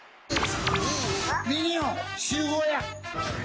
ミニオン集合や！